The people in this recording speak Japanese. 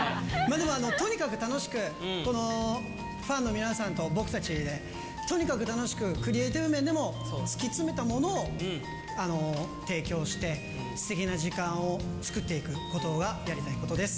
でもとにかく楽しく、ファンの皆さんと僕たちでね、とにかく楽しくクリエーティブ面でも突き詰めたものを提供して、すてきな時間を作っていくことがやりたいことです。